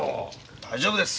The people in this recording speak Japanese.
大丈夫です。